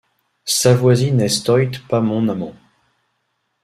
Savoisy n’estoyt pas mon amant.